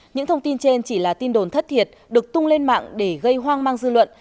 những thông tin trên chỉ là tin đồn thất thiệt được tung lên mạng để gây hoang mang dư luận